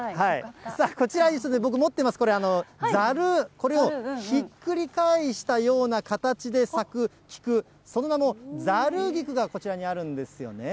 こちら、僕持ってますざる、これをひっくり返したような形で咲く菊、その名もざる菊がこちらにあるんですよね。